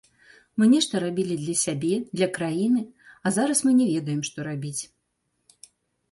Мы нешта рабілі для сябе, для краіны, а зараз мы не ведаем, што рабіць.